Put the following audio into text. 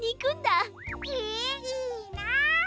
へえいいな。